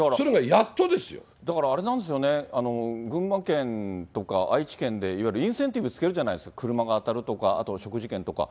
だからあれなんですよね、群馬県とか愛知県でいわゆるインセンティブつけるじゃないですか、車が当たるとか、あとお食事券とか。